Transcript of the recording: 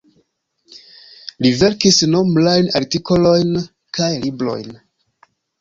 Li verkis nombrajn artikolojn kaj librojn.